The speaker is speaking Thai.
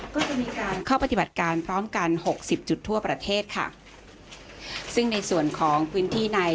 ก็จะมีการเข้าปฏิบัติการพร้อมกันหกสิบจุดทั่วประเทศค่ะซึ่งในส่วนของพื้นที่ใน